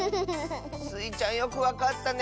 スイちゃんよくわかったね！